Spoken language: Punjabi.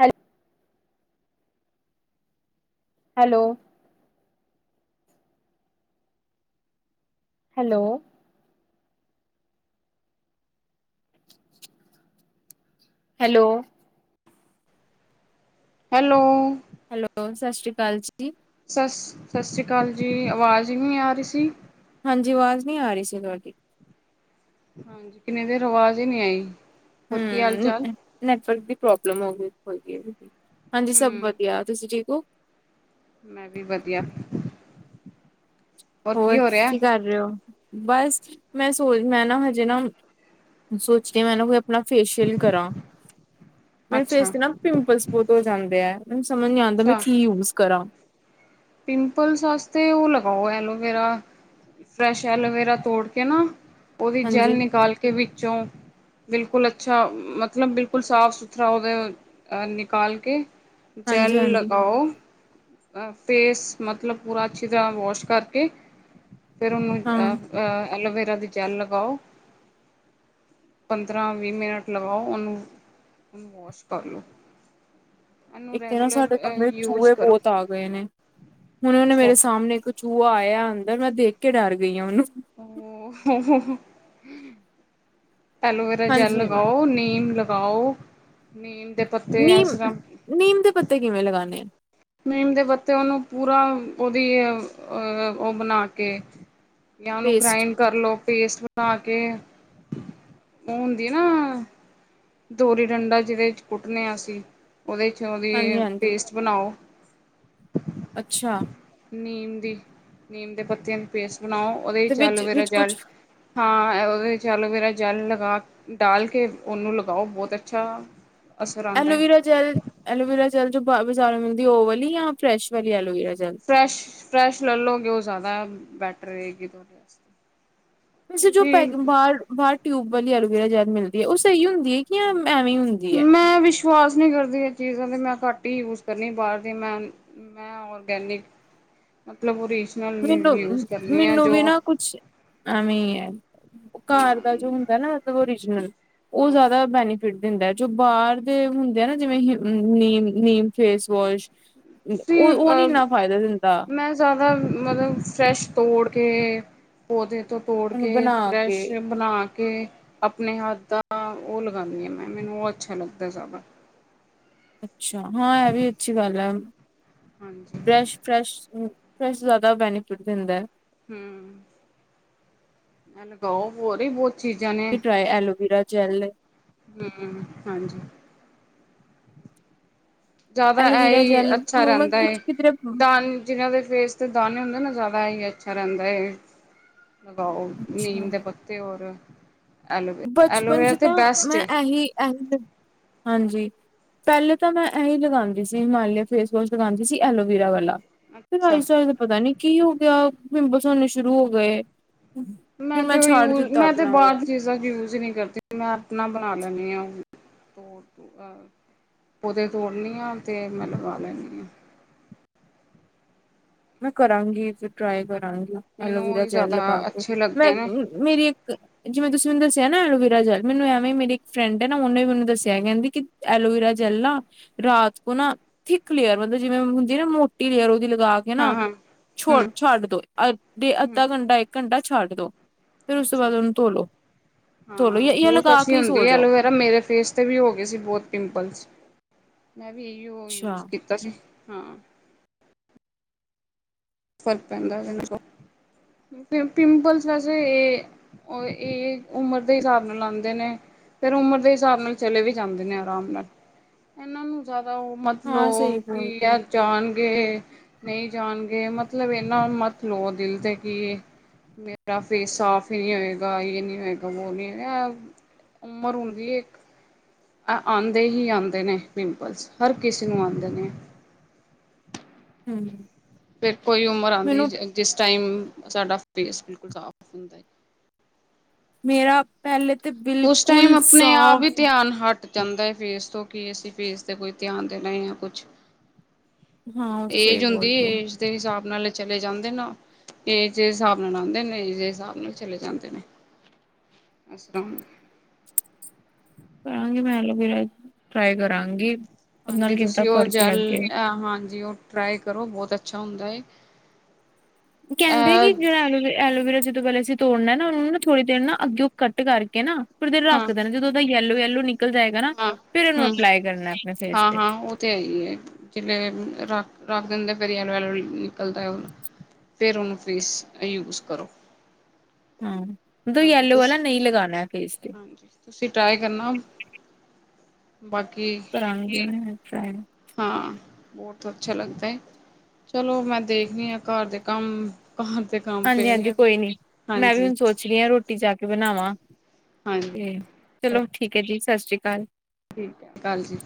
Hello hello hello hello hello hello ਸਤਿ ਸ਼੍ਰੀ ਅਕਾਲ ਜੀ ਸ ਸਤਿ ਸ਼੍ਰੀ ਅਕਾਲ ਜੀ ਆਵਾਜ਼ ਈ ਨੀ ਆ ਰੀ ਸੀ ਹਾਂਜੀ ਆਵਾਜ਼ ਨਹੀਂ ਆ ਰਹੀ ਸੀ ਤੁਹਾਡੀ ਹਾਂਜੀ ਕਿੰਨਨੀ ਦੇਰ ਆਵਾਜ਼ ਹੀ ਨਹੀਂੀ ਆਈ ਹੋਰ ਕੀ ਹਾਲ ਚਾਲ ਹਮ ਨੈਟਵਰਕ ਦੀ ਪ੍ਰੋਬਲਮ ਹੋ ਅ ਹੋਗੀ ਹੈ ਹਾਂਜੀ ਹੂੰ ਸਭ ਵਧੀਆ ਤੁਸੀਂ ਠੀਕ ਹੋ ਮੈਂ ਵੀ ਵਧੀਆ ਹੋਰ ਕੀ ਕਰ ਰਹੇ ਹੋ ਬਸ ਮੈਂ ਸੋਚ ਮੈਂ ਨਾ ਹਜੇ ਨਾ ਸੋਚਦੀ ਮੈਂ ਨਾ ਕੋਈ ਆਪਣਾ ਫੇਸ਼ੀਅਲ ਕਰਾਂ ਮੇਰੇ ਫੇਸ ਅੱਛਾ ਦੇ ਨਾ ਪਿੰਪਲਸ ਬਹੁਤ ਹੋ ਜਾਂਦੇ ਆ ਮੈਨੂੰ ਸਮਝ ਨੀ ਆਉਂਦਾ ਮੈਂ ਅੱਛਾ ਕੀ ਯੂਜ ਕਰਾਂ ਪਿੰਪਲਸ ਵਾਸਤੇ ਉਹ ਲਗਾਓ ਐਲੋਵੇਰਾ ਫਰੈਸ਼ ਐਲੋਵੇਰਾ ਤੋੜ ਕੇ ਨਾ ਉਹਦੀ ਜੈਲ ਹਾਂਜੀ, ਨਿਕਾਲ ਕੇ ਵਿੱਚੋਂ ਬਿਲਕੁਲ ਅੱਛਾ ਮਤਲਬ ਬਿਲਕੁਲ ਸਾਫ ਸੁਥਰਾ ਉਹਦੇ ਨਿਕਾਲ ਕੇ ਜੈਲ ਹਾਂਜੀ, ਹਾਂਜੀ ਲਗਾਓ ਅ ਫੇਸ ਮਤਲਬ ਪੂਰਾ ਅੱਛੀ ਤਰ੍ਹਾਂ ਵਾਸ਼ ਕਰਕੇ ਫੇਿਰ ਉਹਨੂੰ ਹਾਂ ਅ ਅਹ ਐਲੋਵੇਰਾ ਦੀ ਜੈਲ ਲਗਾਓ ਪੰਦਰਾਂ ਵੀਹ ਮਿੰਟ ਲਗਾਓ ਉਹਨੂੰ ਉਹਨੂੰ ਵੋਸ਼ ਕਰ ਲਉ ਇੱਕ ਤੇ ਨਾ ਸਾਡੇ ਕਮਰੇ ਚ ਯੂਜ ਚੂਹੇ ਕਰੋ ਬਹੁਤ ਆ ਗਏ ਨੇ ਹੁਣ ਉਹਨੇ ਅੱਛਾ ਮੇਰੇ ਸਾਹਮਣੇ ਇੱਕ ਚੂਹਾ ਆਇਆ ਅੰਦਰ ਮੈਂ ਦੇਖ ਕੇ ਡਰ ਗਈ ਹਾਂ ਉਹਨੂੰ [unintelligible] ਐਲੋਵੇਰਾ ਜੈੱਲ ਹਾਂਜੀ ਲਗਾਓ ਨੀਮ ਲਗਾਓ ਨੀਮ ਦੇ ਪੱਤੇ ਨੀਮ ਇਸ ਤਰ੍ਹਾਂ ਨੀਮ ਦੇ ਪੱਤੇ ਕਿਵੇਂ ਲਗਾਉਂਣੇ ਆ ਨੀਮ ਦੇ ਬੱਤੇ ਉਹਨੂੰ ਪੂਰਾ ਉਹਦੀ ਉਹ ਬਣਾ ਕੇ ਜਾਂ ਉਹਨੂੰ ਪੇਸਟ ਗ੍ਰਾਇੰਡ ਕਰ ਲੋ ਪੇਸਟ ਬਣਾ ਕੇ ਉਹ ਹੁੰਦੀ ਨਾ ਦੋਰੀ ਡੰਡਾ ਜਿਹਦੇ ਚ ਕੁੱਟਨੇ ਆ ਅਸੀਂ ਉਹਦੇ ਚ ਹਾਂਜੀ ਉਹਦੀ ਹਾਂਜੀ ਪੇਸਟ ਬਣਾਓ ਅੱਛਾ ਨੀਮ ਦੀ ਨੀਮ ਦੇ ਪੱਤਿਆਂ ਦੀ ਪੇਸਟ ਬਣਾਓ ਉਹਦੇ ਵਿੱਚ ਆਲੂਵੇੇਰਾ ਜਲ ਹਾਂ ਉਹਦੇ ਚਲੋ ਵੀੇਰਾ ਜਲ ਲਗਾ ਕੇ ਡਾਲ ਕੇ ਉਹਓਨੂੰ ਲਗਾਓ ਬਹੁਤ ਅੱਛਾ ਅਸਰ ਆਉਂਦਾ ਹੈ ਐਲੋਵੀਰਾ ਜੈਲ ਐਲੋਵਰਾ ਜੈਲ ਜੋ ਬਾ ਬਾਜ਼ਾਰੋਂ ਮਿਲਦੀ ਉਹਓ ਵਾਲੀ ਜਾਂ ਫਰੈਸ਼ ਵਾਲੀ ਐਲੋਵੀਰਾ ਜੈਲ ਫਰੈੱਸ਼ ਫਰੈਸ਼ ਲੈ ਲਓਗੇ ਉਹ ਜ਼ਿਆਦਾ ਬੈਟਰ ਰਹੇਗੀ ਤੁਹਾਡੇ ਵਾਸਤੇ ਵੈਸੇ ਜੋ ਪੈ ਕਿਉਂਕਿ ਬਾਹਰ ਬਾਹਰ ਟਿਊਬ ਵਾਲੀ ਐਲੋਵੇਰਾ ਜੈੱਲ ਮਿਲਦੀ ਹੈ ਉਹ ਸਹੀ ਹੁੰਦੀ ਹੈ ਕਿ ਐਵੇਂ ਹੀ ਹੁੰਦੀ ਦੀ ਐ ਮੈਂ ਵਿਸ਼ਵਾਸ ਨਹੀਂ ਕਰਦੀ ਇਹ ਚੀਜ਼ਾਂ ਮੈਂ ਘੱਟ ਹੀ ਯੂਜ ਕਰਨੀ ਬਾਹਰ ਦੀਆਂ ਮੈਂ ਹਾਂ ਮੈਂ ਔਰਗੈਨਿਕ ਮਤਲਬ ਉਹਦੀ ਮੈਨੂੰ ਮੈਨੂੰ ਵੀ ਨਾ ਕੁਛ ਐਵੇਂ ਹੈ ਹਾਂ ਕਾਰ ਦਾ ਜੋ ਹੁੰਦਾ ਨਾ ਓਰੀਜਨਲ ਉਹ ਹਾਂ ਜ਼ਿਆਦਾ ਬੈਨੀਫਿਟ ਦਿੰਦਾ ਜੋ ਬਾਹਰ ਦੇ ਹੁੰਦੇ ਆ ਜਿਵੇਂ ਨੀਮ ਨੀਮ ਫੇਸ ਵੋਸ਼ ਨ ਤੁਸੀਂ ਉਹ ਉਹ ਨੀ ਅ ਇੰਨਾ ਫ਼ਾਇਦਾ ਦਿੰਦਾ ਮੈਂ ਜ਼ਿਆਦਾ ਮਤਲਬ ਫਰੈਸ਼ ਤੋੜ ਕੇ ਪੌਦੇ ਤੋਂ ਤੋੜ ਉਹਨੂੰ ਕੇ ਬਣਾ ਕੇ ਫਰੈਸ਼ ਬਣਾ ਕੇ ਆਪਣੇ ਹੱਥ ਦਾ ਉਹ ਲਗਾਉਂਦੀ ਹਾਂ ਮੈਂ ਮੈਨੂੰ ਉਹ ਅੱਛਾ ਲੱਗਦਾ ਜ਼ਿਆਦਾ ਅੱਛਾ ਹਾਂ ਇਹ ਵੀ ਅੱਛੀ ਗੱਲ ਹੈ ਹਾਂਜੀ ਫਰੈਸ਼ ਫਰੈਸ਼ ਫਰੈਸ ਜ਼ਿਆਦਾ ਬੈਨੀਫਿਟ ਦਿੰਦਾ ਹੈ ਹਮ ਐ ਲਗਾਓ ਹੋਰ ਹੀ ਬਹੁਤ ਚੀਜ਼ਾਂ ਨੇ ਵੀ ਟਰਾਏ ਐਲੋਵਰਾ ਜੈਲ ਹਮ ਹਾਂਜੀ ਜ਼ਿਆਦਾ ਐਲੋਵਰਾ ਐਹੀ ਜੈਲ ਅੱਛਾ ਮੈਂ ਰਹਿੰਦਾ ਹੈ ਕੁਛ ਕਿਧਰੇ ਦਾਨ ਜਿਹਨਾਂ ਦੇ ਫੇਸ ਤੇ ਦਾਣੇੇ ਹੁੰਦੇ ਨਾ ਜ਼ਿਆਦਾ ਹੀ ਅੱਛਾ ਰਹਿੰਦਾ ਏ ਲਗਾਓ ਨੀਮ ਅੱਛਾ ਦੇ ਪੱਤੇ ਔਰ ਐਲੋਵੇਰਾ ਬਚਪਨ ਐਲੋਵੇਰਾ 'ਚ ਤੇ ਨਾ ਬੈਸਟ ਮੈਂ ਏ ਇਹੀ ਇਹੀ ਹਾਂਜੀ ਪਹਿਲੇ ਤਾਂ ਮੈਂ ਐਹੀ ਲਗਾਉਂਦੀ ਸੀ ਹਿਮਾਲਿਆ ਫੇਸ ਵੋਸ਼ ਲਗਾਉਂਦੀ ਸੀ ਐਲੋਵੀਰਾ ਵਾਲਾ ਫਿਰ ਰਾਜ ਅੱਛਾ ਸਾਏ ਦਾ ਪਤਾ ਨੀ ਕੀ ਹੋ ਗਿਆ ਪਿੰਪਲਸ ਆਉਣੇ ਸ਼ੁਰੂ ਹੋ ਗਏ ਫਿਰ ਮੈਂ ਤੇ ਛੱਡ ਯੂਜ ਦਿੱਤਾ ਮੈ ਤੇ ਆਪਣਾ ਉਹ। ਬਾਹਰ- ਚੀਜ਼ਾਂ ਯੂਜ ਹੀ ਨਹੀ ਕਰਦੀ ਮੈ ਆਪਣਾ ਬਣਾ ਲੈਂਦੀ ਹਾਂ ਤੋ ਤੋਂ- ਹਾਂ ਪੌਦੇ ਤੋੜਨੀ ਹਾਂ ਤੇ ਮੈ ਲਗਾ ਲੈਂਦੀ ਹਾਂ। ਮੈ ਕਰਾਂਗੀ ਫੇਰ ਟਰਾਈ ਕਰਾਂਗੀ ਮੈਨੂੰ ਐਲੋਵੀਰਾ ਉਹੀ ਜੈਲ ਜ਼ਿਆਦਾ ਲਗਾ ਕੇ ਅੱਛੇ ਮੈ ਲੱਗਦੇ ਨੇ ਇਕ ਮੇਰੀ ਇਕ- ਜਿਵੇਂ ਤੁਸੀ ਮੈਨੂੰ ਦਸਿਆ ਨਾ ਐਲੋਵੀਰਾ ਜਲ ਮੈਨੂੰ ਐਵੇਂ ਮੇਰੀ ਇਕ ਫਰੈਂਡ ਹੈ। ਉਹਨੇ ਮੈਨੂੰ ਦਸਿਆ ਕਹਿੰਦੀ ਕਿ- ਐਲੋਵੀਰਾ ਜੈਲ ਨਾ- ਰਾਤ ਕੋ ਨਾ ਥਿੱਕ ਲੇਅਰ ਮਤਲਬ ਜਿਵੇ ਹੁੰਦੀ ਨਾ ਮੋਟੀ ਲੇਅਰ ਉਹਦੀ ਲਗਾ ਕੇ- ਹਾਂ ਹੈਨਾ ਹਾਂ ਛੋ ਹਮ ਛੱਡ ਦੋ ਹਮ ਅੱਧਾ ਘੰਟਾ ਇਕ ਘੰਟਾ ਛੱਡ ਦੋ- ਫਿਰ ਉਸ ਤੋਂ ਅੱਛਾ ਬਾਅਦ ਉਹਨੂੰ ਧੋਲੋ ਧੋਲੋ ਇਹ ਲਗਾ ਕੇ ਹੀ ਸੋ ਜਾਓ- ਨਾ ਮੇਰੇ ਫੇਸ ਵੀ ਹੋ ਗਏ ਸੀ ਬਹੁਤ ਪਿੰਪਲਸ ਮੈ ਵੀ ਇਹੀਓ ਅੱਛਾ। ਯੂਜ ਕੀਤਾ- ਤਸੀ ਹਾਂ ਫਰਕ ਪੈਂਦਾ ਇਹਦੇ ਤੋਂ ਪਿੰਪਲਸ ਵੈਸੇ ਇਹ ਉਹ ਇਹ ਉਮਰ ਦੇ ਹਿਸਾਬ ਨਾਲ ਆਉਂਦੇ ਨੇ- ਫੇਰ ਉਮਰ ਦੇ ਹਿਸਾਬ ਨਾਲ ਚਲੇ ਵੀ ਜਾਂਦੇ ਨੇ ਆਰਾਮ ਨਾਲ ਇਹਨਾਂ ਨੂੰ ਜਿਆਦਾ ਉਹ ਮਤ ਹਾਂ ਸਹੀ ਲਓ ਕਿ ਬੋਲ ਐ ਜਾਣਗੇ ਨਹੀ ਜਾਣਗੇ ਮਤ- ਮਤਲਬ ਇੰਨਾ ਮਤ ਲਓ ਦਿਲ ਤੇ ਕਿ- ਮੇਰਾ ਫੇਸ ਸਾਫ਼ ਹੀ ਨਹੀ ਹੋਏਗਾ ਯੇ ਨਹੀ ਹੋਏਗਾ ਵੋ ਨੀ ਹੋਗਾ- ਉਮਰ ਹੁੰਦੀ ਏ ਇਕ- ਅ ਆਉਦੇ ਹੀ ਆਉਦੇ ਨੇ ਪਿੰਪਲਸ ਹਰ ਕਿਸੇ ਨੂੰ ਆਉੰਦੇ ਨੇ- ਹਮ ਫੇਰ ਕੋਈ ਉਮਰ ਆਉਦੀ ਮੈਨੂੰ ਜਿਸ ਟਾਈਮ ਸਾਡਾ ਫੇਸ ਬਿਲਕੁਲ ਸਾਫ਼ ਹੁੰਦਾ ਹੈ। ਮੇਰਾ- ਪਹਿਲੇ ਤੇ [unintelligible] ਉਸ ਟਾਈਮ ਆਪਣੇ ਆਪ ਹੀ ਸਾਫ਼ ਧਿਆਨ ਹਟ- ਜਾਂਦਾ ਹੈ। ਫੇਸ ਤੋ ਕਿ ਅਸੀ ਫੇਸ ਤੇ ਕੋਈ ਧਿਆਨ ਦੇਣਾ ਆ ਕੁਛ- ਹਾਂ ਉਹ ਤੇ ਸਹੀ ਏਜ ਬੋਲ ਹੁੰਦੀ ਰਹੇ ਏਜ- ਹੋ ਏਜ ਦੇ ਹਿਸਾਬ ਨਾਲ ਚਲੇ ਜਾਦੇ ਨਾ ਏਜ ਦੇ ਹਿਸਾਬ ਨਾਲ ਆਉਦੇ ਨੇ ਇਸਦੇ ਹਿਸਾਬ ਨਾਲ ਚਲੇ ਜਾਦੇ ਨੇ- ਤ [unintelligible] ਕਰਾਂਗੀ ਮੈ ਐਲੋਵੇਰਾ ਟਰਾਈ ਕਰਾਂਗੀ। ਹਾਂਜੀ ਨਾਲ ਕਿੱਦਾਂ ਤੁਸੀ ਉਹ ਫ਼ਰਕ ਜੈਲ ਲੱਗੇ ਹਾਂਜੀ ਉਹ ਟਰਾਈ ਕਰੋ ਬਹੁਤ ਅਛਾ ਹੁੰਦਾ ਹੈ। ਕਹਿਦੇ ਕਿ ਜਿਹੜਾ ਐਲੋ ਐਲੋਵੇਰਾ ਜਦੋ ਪਹਿਲ- ਤੋੜਨਾ ਨਾ ਉਹਨੂੰ ਨਾ ਥੋੜੀ ਦੇਰ ਨਾ ਅੱਗਿਓਂ ਕੱਟ ਕਰਕੇ ਨਾ ਫਿਰ ਥੋੜੀ ਦੇਰ ਹਾਂ ਰੱਖ ਦੇਣਾ ਜਦੋਂ ਉਹਦਾ ਯੈਲੋ ਯੈਲੋ ਨਿਕ- ਨਿਕਲ ਜਾਏਗਾ ਨਾ ਹਾਂ ਫੇਰ ਉਹਨੂੰ ਹੂੰ ਅਪਲਾਈ ਕਰਨਾ ਆਪਣੇ ਫੇਸ ਤੇ- ਹਾਂ-ਹਾਂ ਉਹ ਤੇ ਏਹੀ ਏ ਜਿਲੇ ਰੱਖ ਦਿੰਦੇ ਫੇਰ ਫਿਰ ਯੈਲੋ- ਯੈਲੋ ਨਿਕਲਦਾ- ਫਿਰ ਉਹਨੂੰ ਫੇਸ ਯੂਜ਼ ਕਰੋ- ਹਾਂ ਮਤਲਬ ਹਾਂਜੀ ਯੈਲੋ ਵਾਲਾ ਨਹੀ ਲਗਾਉਣਾ ਫੇਸ ਤੇ- ਤੁਸੀ ਟਰਾਈ ਕਰਨਾ ਬਾਕੀ- ਕਰਾਂਗੀ ਮੈਂ ਟਰਾਈ- ਹਾਂ ਬਹੁਤ ਅਛਾ ਲਗਦਾ ਹੈ। ਚਲੋ ਮੈ ਦੇਖਦੀ ਹਾਂ ਘਰ ਦੇ ਕਮ ਘਰ ਦੇ- ਕੰਮ ਹਾਂਜੀ- ਪਏ ਹਾਂਜੀ ਨੇ ਕੋਈ ਨੀ ਮੈ ਵੀ ਹੁਣ ਹਾਂਜੀ-ਹਾਂਜੀ ਸੋਚ ਰਹੀ ਹਾਂ ਰੋਟੀ ਜਾ ਕੇ ਬਣਾਵਾਂ- ਹਾਂਜੀ, - ਤੇ ਚਲੋ ਠੀਕ ਹੈ ਜੀ ਸਤਿ ਸ੍ਰੀ ਅਕਾਲ- ਠੀਕ ਹੈ। ਸਤਿ ਸ੍ਰੀ ਅਕਾਲ ਜੀ